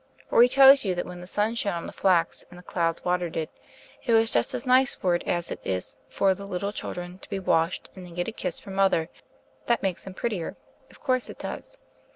Or he tells you that when the sun shone on the flax, and the clouds watered it, "it was just as nice for it as it is for the little children to be washed and then get a kiss from mother: that makes them prettier; of course it does."